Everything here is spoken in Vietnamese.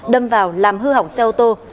đâm vào làm hư hỏng xe ô tô